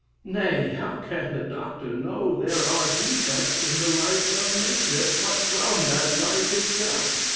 Nay, how can the Dr. know there are defects in the light of nature, but from that light itself?